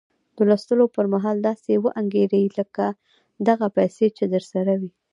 د لوستو پر مهال داسې وانګيرئ لکه دغه پيسې چې درسره وي.